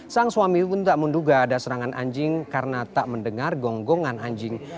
sang suami pun tak menduga ada serangan anjing karena tak mendengar gonggongan anjing